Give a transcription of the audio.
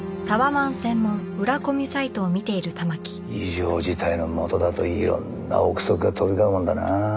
異常事態の下だといろんな臆測が飛び交うもんだな。